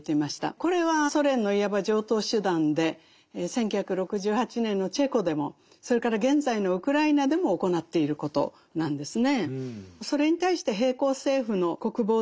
これはソ連のいわば常套手段で１９６８年のチェコでもそれから現在のウクライナでも行っていることなんですね。